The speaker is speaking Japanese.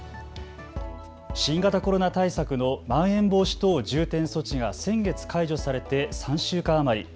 新型コロナ対策のまん延防止等重点措置が先月解除されて３週間余り。